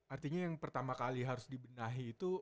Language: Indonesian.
artinya yang pertama kali harus dibenahi itu